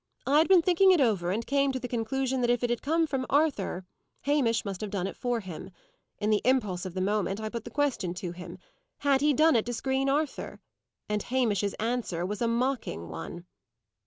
I had been thinking it over, and came to the conclusion that if it had come from Arthur, Hamish must have done it for him. In the impulse of the moment, I put the question to him Had he done it to screen Arthur? And Hamish's answer was a mocking one."